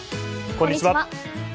こんにちは。